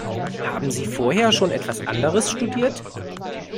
Haben Sie vorher schon etwas anderes studiert?